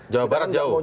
jawa barat jauh